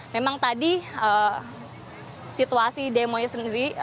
memang tadi situasi demonya sendiri